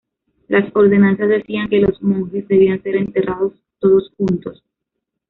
Las ordenanzas decían que los monjes debían ser enterrados todos juntos.